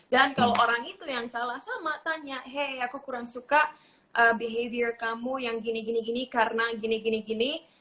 kalau orang itu yang salah sama tanya hey aku kurang suka behavior kamu yang gini gini karena gini gini